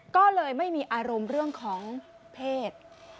ก็เลยไม่มีอารมณ์เรื่องของเพศ